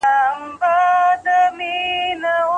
که انلاین زده کړه وي، کورنۍ د ماشوم تعلیم نږدې ویني.